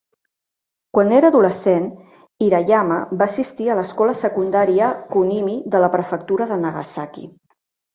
Quan era adolescent, Hirayama va assistir a l'escola secundària Kunimi de la prefectura de Nagasaki.